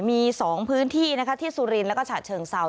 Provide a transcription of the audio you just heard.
มีสองพื้นที่ที่สุรินทร์และฉะเชิงเซาท์